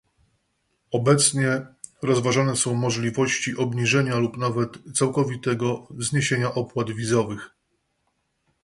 Obecnie rozważane są możliwości obniżenia lub nawet całkowitego zniesienia opłat wizowych